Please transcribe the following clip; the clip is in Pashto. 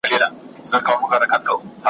پر ملخ یې سترګي نه سوای پټولای `